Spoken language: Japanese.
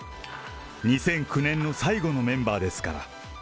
２００９年の最後のメンバーですから。